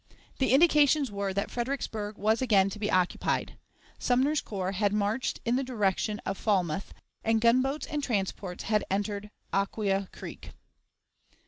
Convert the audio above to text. The indications were that Fredericksburg was again to be occupied. Sumner's corps had marched in the direction of Falmouth, and gunboats and transports had entered Acquia Creek.